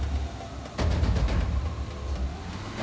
โดนไปเยอะแค่นั้นแหละ